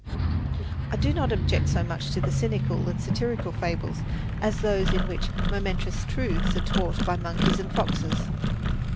I do not object so much to the cynical and satirical fables as to those in which momentous truths are taught by monkeys and foxes.